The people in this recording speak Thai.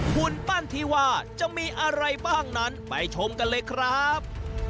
หุ่นปั้นที่ว่าจะมีอะไรบ้างนั้นไปชมกันเลยครับ